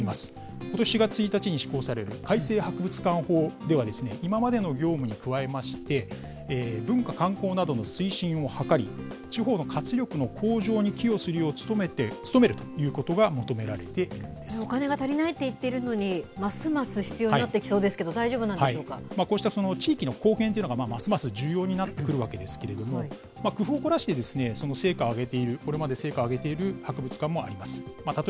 ことし４月１日に施行される改正博物館法では、今までの業務に加えまして、文化観光などの推進を図り、地方の活力の向上に寄与するよう努めるということが求めらお金が足りないと言っているのに、ますます必要になってきそうですけど、大丈夫なんでしょうこうした地域の貢献というのがますます重要になってくるわけですけれども、工夫を凝らして、成果を上げている、これまで成果を上げている博物館もあります。